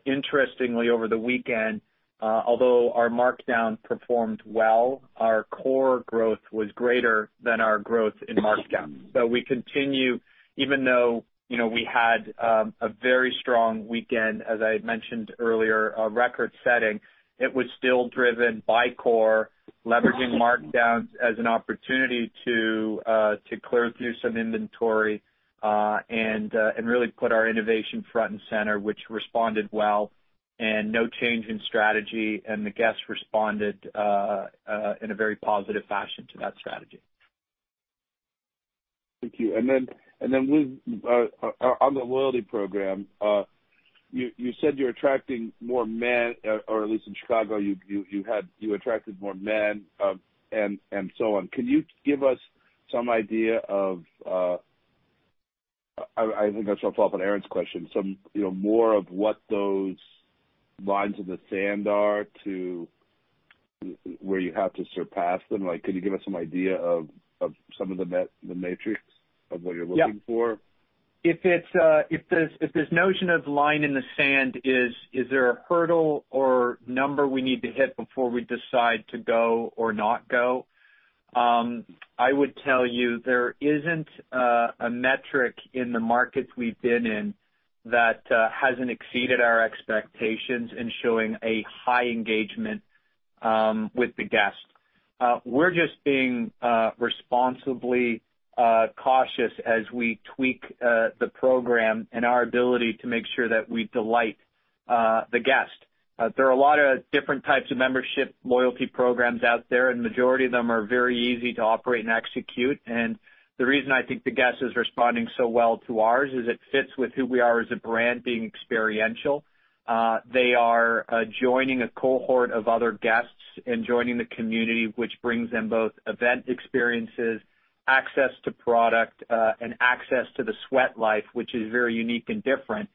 Interestingly, over the weekend, although our markdown performed well, our core growth was greater than our growth in markdown. We continue, even though we had a very strong weekend, as I had mentioned earlier, a record-setting, it was still driven by core, leveraging markdowns as an opportunity to clear through some inventory, and really put our innovation front and center, which responded well. No change in strategy, and the guests responded in a very positive fashion to that strategy. Thank you. On the loyalty program, you said you're attracting more men, or at least in Chicago, you attracted more men and so on. Can you give us some idea of some more of what those lines in the sand are to where you have to surpass them? Can you give us some idea of some of the metrics of what you're looking for? Yeah. If this notion of line in the sand is there a hurdle or number we need to hit before we decide to go or not go? I would tell you there isn't a metric in the markets we've been in that hasn't exceeded our expectations in showing a high engagement with the guest. We're just being responsibly cautious as we tweak the program and our ability to make sure that we delight the guest. There are a lot of different types of membership loyalty programs out there, and the majority of them are very easy to operate and execute. The reason I think the guest is responding so well to ours is it fits with who we are as a brand being experiential. They are joining a cohort of other guests and joining the community, which brings them both event experiences, access to product, and access to the Sweat Life, which is very unique and different.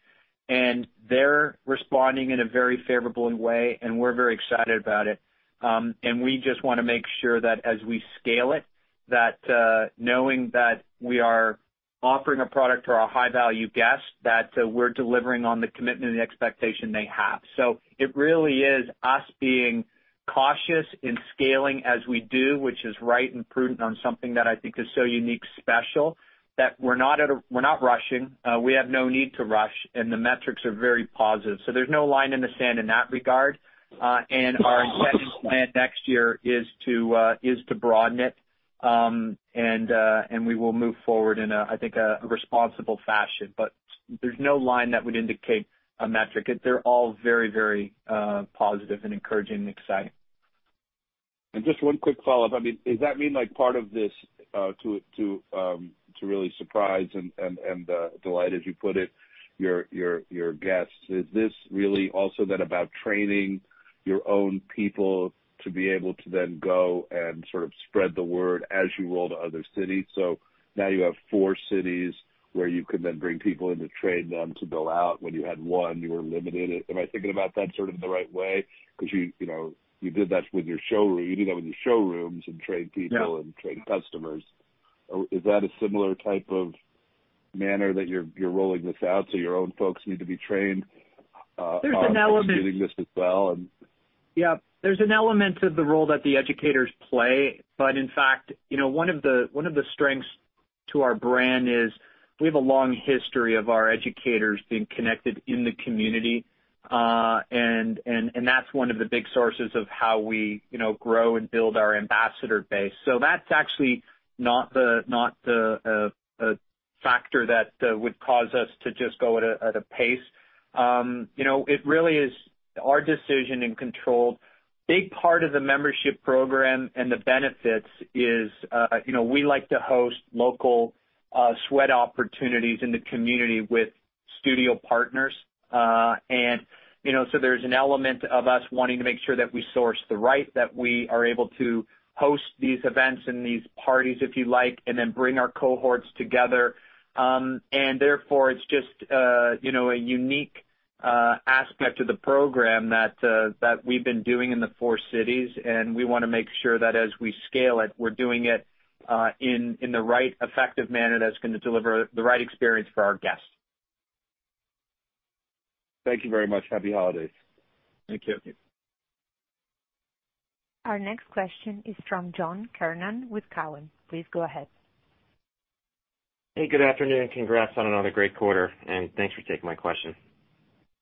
They're responding in a very favorable way, and we're very excited about it. We just want to make sure that as we scale it, that knowing that we are offering a product to our high-value guests, that we're delivering on the commitment and expectation they have. It really is us being cautious in scaling as we do, which is right and prudent on something that I think is so unique, special, that we're not rushing. We have no need to rush, and the metrics are very positive. There's no line in the sand in that regard. Our intended plan next year is to broaden it. We will move forward in, I think, a responsible fashion, but there's no line that would indicate a metric. They're all very positive and encouraging and exciting. Just one quick follow-up. Does that mean like part of this to really surprise and delight, as you put it, your guests? Is this really also then about training your own people to be able to then go and sort of spread the word as you roll to other cities? Now you have four cities where you can then bring people in to train them to go out. When you had one, you were limited. Am I thinking about that sort of in the right way? You did that with your showrooms and trained people and trained customers. Is that a similar type of manner that you're rolling this out, so your own folks need to be trained. There's an element- On executing this as well. There's an element to the role that the educators play. In fact, one of the strengths to our brand is we have a long history of our educators being connected in the community. That's one of the big sources of how we grow and build our ambassador base. That's actually not the factor that would cause us to just go at a pace. It really is our decision and control. Big part of the membership program and the benefits is, we like to host local sweat opportunities in the community with studio partners. There's an element of us wanting to make sure that we source the right, that we are able to host these events and these parties, if you like, and bring our cohorts together. Therefore, it's just a unique aspect of the program that we've been doing in the four cities, and we want to make sure that as we scale it, we're doing it in the right effective manner that's going to deliver the right experience for our guests. Thank you very much. Happy holidays. Thank you. Our next question is from John Kernan with Cowen, please go ahead. Hey, good afternoon? Congrats on another great quarter. Thanks for taking my question.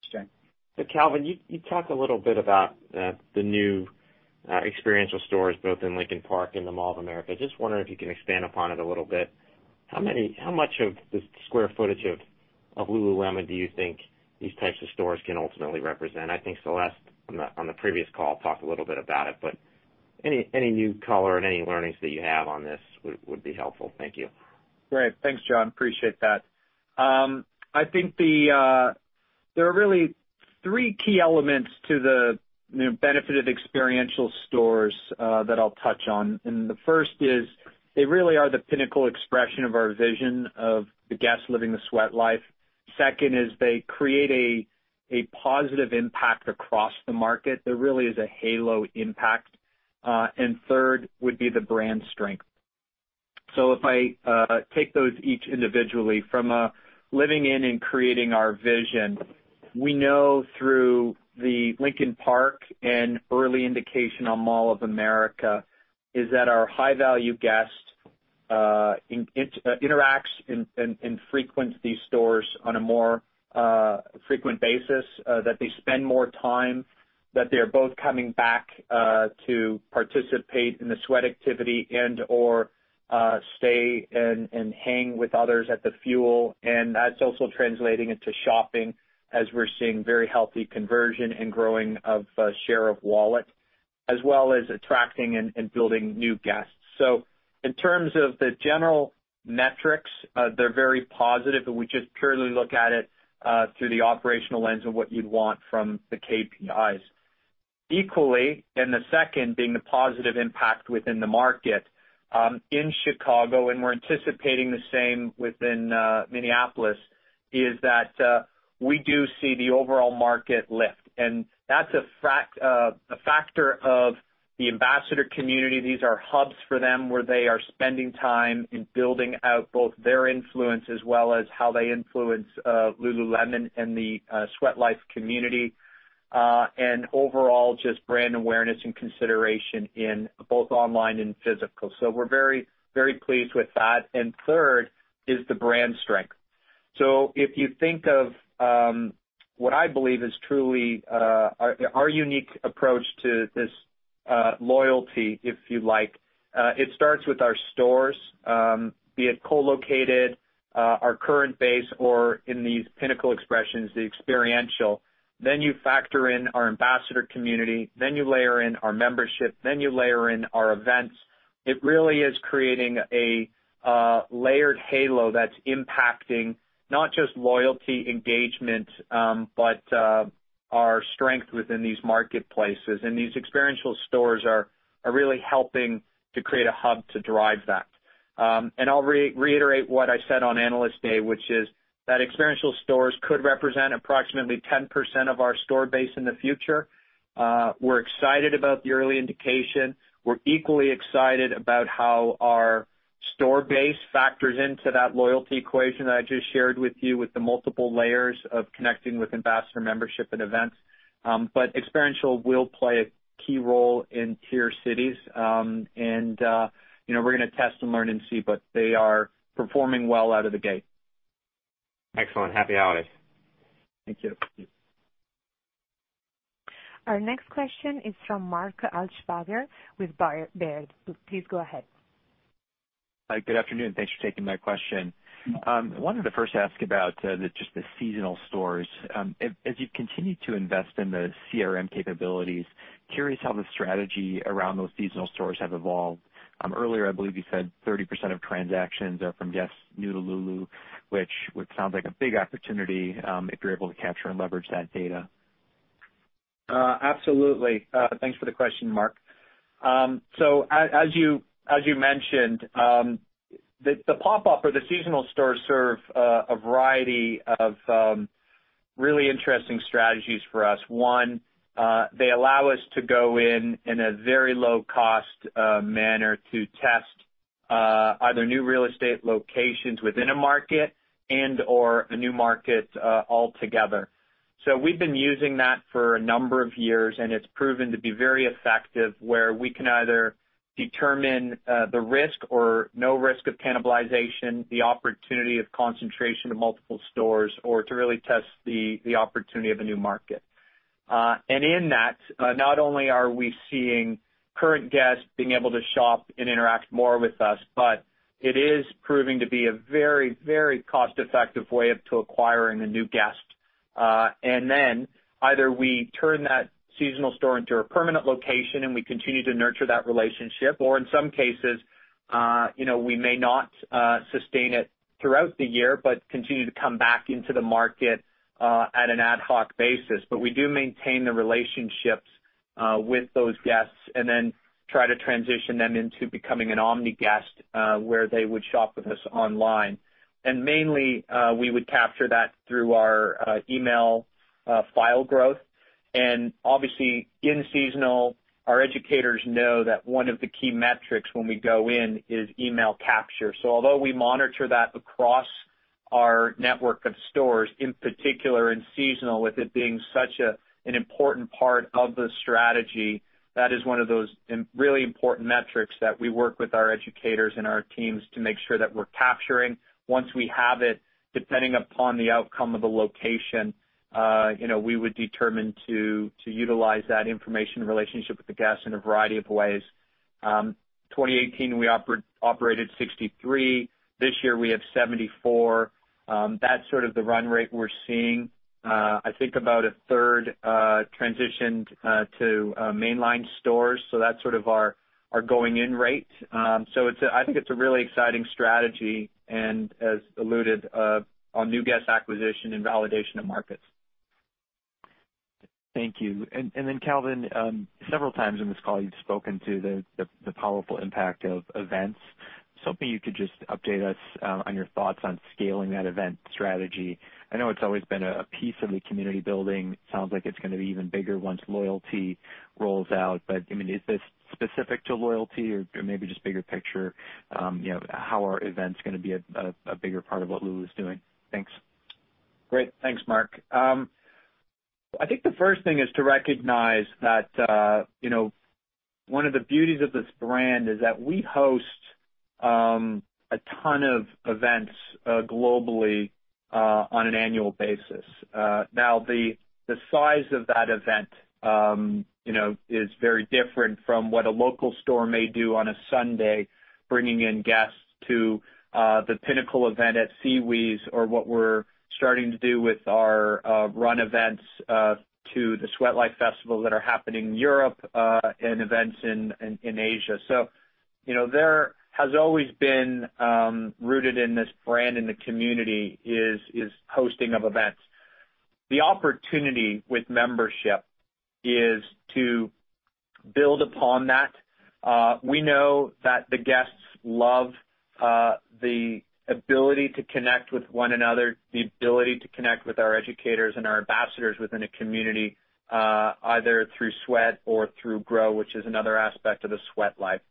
Sure. Calvin, you talked a little bit about the new experiential stores both in Lincoln Park and the Mall of America. Just wondering if you can expand upon it a little bit. How much of the square footage of Lululemon do you think these types of stores can ultimately represent? I think Celeste, on the previous call, talked a little bit about it, but any new color and any learnings that you have on this would be helpful. Thank you. Great. Thanks, John. Appreciate that. I think there are really three key elements to the benefit of experiential stores that I'll touch on. The first is they really are the pinnacle expression of our vision of the guest living the Sweat Life. Second is they create a positive impact across the market. There really is a halo impact. Third would be the brand strength. If I take those each individually from a living in and creating our vision, we know through the Lincoln Park and early indication on Mall of America, is that our high-value guest interacts and frequents these stores on a more frequent basis, that they spend more time, that they are both coming back to participate in the sweat activity and/or stay and hang with others at the fuel. That's also translating into shopping as we're seeing very healthy conversion and growing of share of wallet, as well as attracting and building new guests. In terms of the general metrics, they're very positive, and we just purely look at it through the operational lens of what you'd want from the KPIs. Equally, the second being the positive impact within the market, in Chicago, and we're anticipating the same within Minneapolis, is that we do see the overall market lift. That's a factor of the Ambassador community. These are hubs for them, where they are spending time and building out both their influence as well as how they influence Lululemon and the Sweat Life community. Overall, just brand awareness and consideration in both online and physical. We're very, very pleased with that. Third is the brand strength. If you think of what I believe is truly our unique approach to this loyalty, if you like, it starts with our stores, be it co-located, our current base, or in these pinnacle expressions, the experiential. You factor in our Ambassador community, you layer in our membership, you layer in our events. It really is creating a layered halo that's impacting not just loyalty engagement, but our strength within these marketplaces. These experiential stores are really helping to create a hub to drive that. I'll reiterate what I said on Analyst Day, which is that experiential stores could represent approximately 10% of our store base in the future. We're excited about the early indication. We're equally excited about how our store base factors into that loyalty equation that I just shared with you, with the multiple layers of connecting with Ambassador membership and events. Experiential will play a key role in tier cities. We're going to test and learn and see. They are performing well out of the gate. Excellent. Happy holidays. Thank you. Our next question is from Mark Altschwager with Baird, please go ahead. Hi, good afternoon? Thanks for taking my question. Wanted to first ask about just the seasonal stores. As you continue to invest in the CRM capabilities, curious how the strategy around those seasonal stores have evolved. Earlier, I believe you said 30% of transactions are from guests new to Lulu, which would sound like a big opportunity, if you're able to capture and leverage that data. Absolutely. Thanks for the question, Mark. As you mentioned, the pop-up or the seasonal stores serve a variety of really interesting strategies for us. One, they allow us to go in in a very low-cost manner to test either new real estate locations within a market and/or a new market altogether. We've been using that for a number of years, and it's proven to be very effective, where we can either determine the risk or no risk of cannibalization, the opportunity of concentration of multiple stores, or to really test the opportunity of a new market. In that, not only are we seeing current guests being able to shop and interact more with us, but it is proving to be a very cost-effective way of acquiring a new guest. Then either we turn that seasonal store into a permanent location and we continue to nurture that relationship. In some cases, we may not sustain it throughout the year, but continue to come back into the market, at an ad hoc basis. We do maintain the relationships with those guests and then try to transition them into becoming an omni guest, where they would shop with us online. Mainly, we would capture that through our email file growth. Obviously, in seasonal, our educators know that one of the key metrics when we go in is email capture. Although we monitor that across our network of stores, in particular in seasonal, with it being such an important part of the strategy, that is one of those really important metrics that we work with our educators and our teams to make sure that we're capturing. Once we have it, depending upon the outcome of the location, we would determine to utilize that information relationship with the guest in a variety of ways. 2018, we operated 63 stores. This year, we have 74%. That's sort of the run rate we're seeing. I think about a third transitioned to mainline stores. That's sort of our going-in rate. I think it's a really exciting strategy and as alluded, on new guest acquisition and validation of markets. Thank you. Then Calvin, several times in this call, you've spoken to the powerful impact of events. Just hoping you could just update us on your thoughts on scaling that event strategy. I know it's always been a piece of the community building. Sounds like it's going to be even bigger once loyalty rolls out. Is this specific to loyalty or maybe just bigger picture? How are events going to be a bigger part of what Lulu's doing? Thanks. Great. Thanks, Mark. One of the beauties of this brand is that we host a ton of events globally on an annual basis. The size of that event is very different from what a local store may do on a Sunday, bringing in guests to the pinnacle event at SeaWheeze, or what we're starting to do with our run events to the Sweatlife Festival that are happening in Europe and events in Asia. There has always been, rooted in this brand in the community, is hosting of events. The opportunity with membership is to build upon that. We know that the guests love the ability to connect with one another, the ability to connect with our educators and our ambassadors within a community, either through Sweat or through Grow, which is another aspect of the Sweat Life.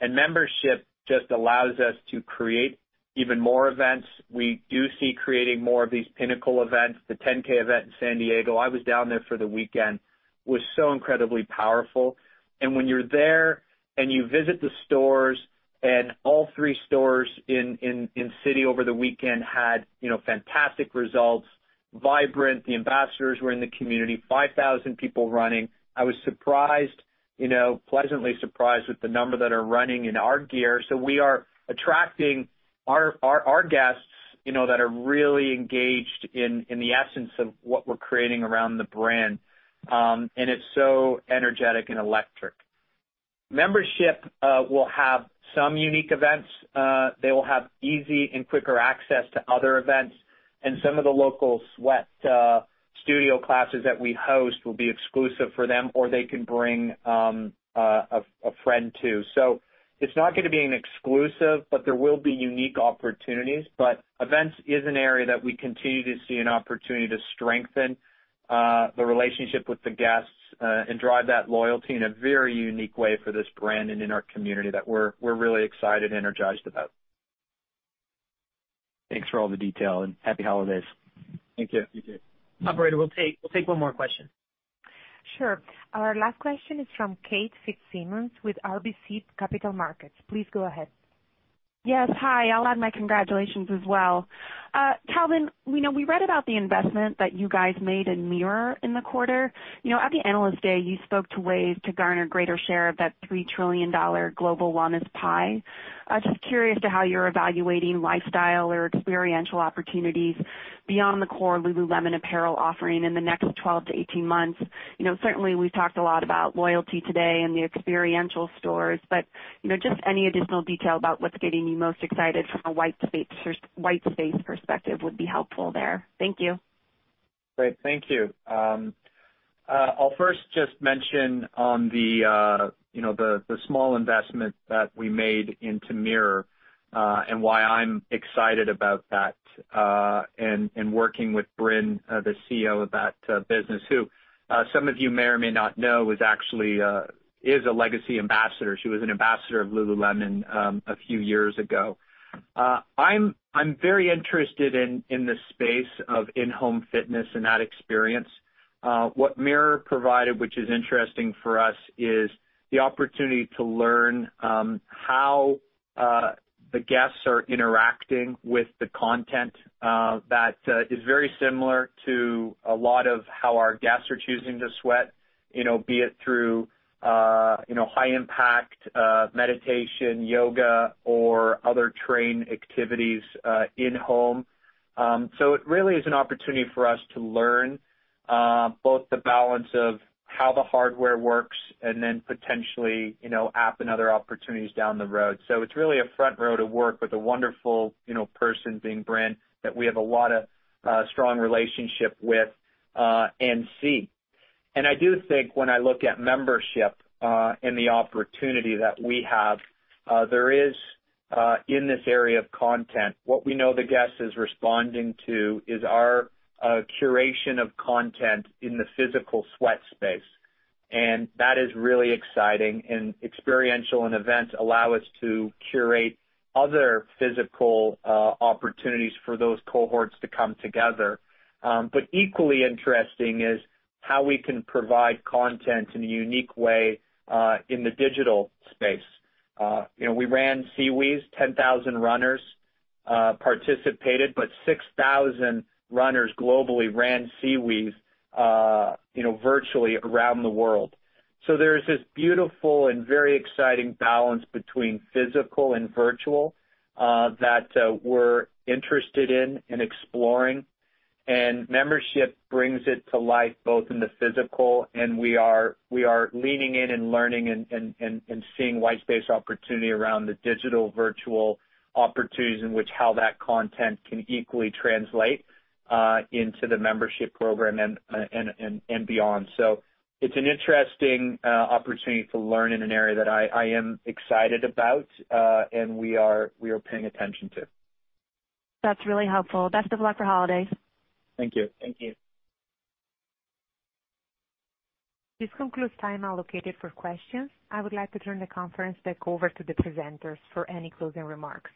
Membership just allows us to create even more events. We do see creating more of these pinnacle events. The 10K event in San Diego, I was down there for the weekend, was so incredibly powerful. When you're there and you visit the stores, and all three stores in city over the weekend had fantastic results, vibrant. The ambassadors were in the community, 5,000 people running. I was pleasantly surprised with the number that are running in our gear. We are attracting our guests that are really engaged in the essence of what we're creating around the brand, and it's so energetic and electric. Membership will have some unique events. They will have easy and quicker access to other events, and some of the local Sweat studio classes that we host will be exclusive for them, or they can bring a friend too. It's not going to be an exclusive, but there will be unique opportunities. Events is an area that we continue to see an opportunity to strengthen the relationship with the guests, and drive that loyalty in a very unique way for this brand and in our community that we're really excited and energized about. Thanks for all the detail, and Happy Holidays. Thank you. You too. Operator, we'll take one more question. Sure. Our last question is from Kate Fitzsimons with RBC Capital Markets, please go ahead. Yes. Hi. I'll add my congratulations as well. Calvin, we read about the investment that you guys made in MIRROR in the quarter. At the Analyst Day, you spoke to ways to garner greater share of that $3 trillion global wellness pie. Just curious to how you're evaluating lifestyle or experiential opportunities beyond the core Lululemon apparel offering in the next 12 months to 18 months. Certainly, we've talked a lot about loyalty today and the experiential stores, but just any additional detail about what's getting you most excited from a white space perspective would be helpful there. Thank you. Great. Thank you. I'll first just mention on the small investment that we made into MIRROR, and why I'm excited about that, and working with Brynn, the Chief Executive Officer of that business, who some of you may or may not know is a Legacy Ambassador. She was an Ambassador of Lululemon a few years ago. I'm very interested in the space of in-home fitness and that experience. What MIRROR provided, which is interesting for us, is the opportunity to learn how the guests are interacting with the content that is very similar to a lot of how our guests are choosing to sweat, be it through high-impact, meditation, yoga, or other train activities in-home. It really is an opportunity for us to learn both the balance of how the hardware works and then potentially, app and other opportunities down the road. It's really a front row to work with a wonderful person being Brynn, that we have a lot of strong relationship with and see. I do think when I look at membership and the opportunity that we have, there is in this area of content, what we know the guest is responding to is our curation of content in the physical sweat space. That is really exciting, and experiential and events allow us to curate other physical opportunities for those cohorts to come together. Equally interesting is how we can provide content in a unique way, in the digital space. We ran SeaWheeze, 10,000 runners participated, but 6,000 runners globally ran SeaWheeze virtually around the world. There's this beautiful and very exciting balance between physical and virtual, that we're interested in and exploring. Membership brings it to life both in the physical and we are leaning in and learning and seeing white space opportunity around the digital virtual opportunities in which how that content can equally translate into the membership program and beyond. It's an interesting opportunity to learn in an area that I am excited about, and we are paying attention to. That's really helpful. Best of luck for holidays. Thank you. Thank you. This concludes time allocated for questions. I would like to turn the conference back over to the presenters for any closing remarks.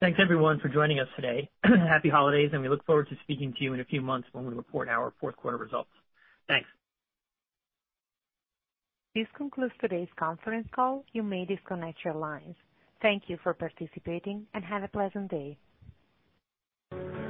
Thanks, everyone, for joining us today. Happy holidays. We look forward to speaking to you in a few months when we report our fourth quarter results. Thanks. This concludes today's conference call, you may disconnect your lines. Thank you for participating, and have a pleasant day.